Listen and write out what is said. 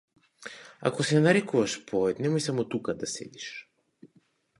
Ако се нарекуваш поет, немој само тука да седиш.